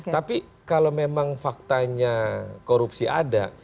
tapi kalau memang faktanya korupsi ada